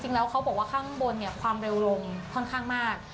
เขาบอกว่าข้างบนเนี่ยความเร็วลงค่อนข้างมาก